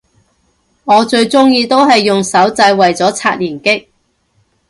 我最鍾意都係用手掣為咗刷連擊